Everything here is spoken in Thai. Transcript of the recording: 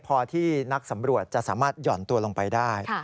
พอที่นักสำรวจจะสามารถหย่อนตัวลงไปได้